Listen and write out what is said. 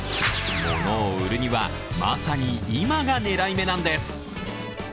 物を売るには、まさに今が狙い目なんです。